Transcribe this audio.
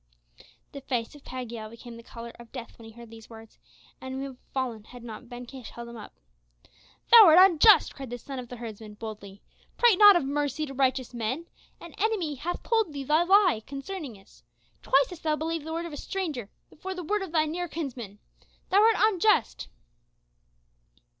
The face of Pagiel became the color of death when he heard these words, and he would have fallen had not Ben Kish held him up. "Thou art unjust," cried the son of the herdsman, boldly. "Prate not of mercy to righteous men. An enemy hath told thee this lie concerning us. Twice hast thou believed the word of a stranger before the word of thy near kinsman. Thou art unjust!"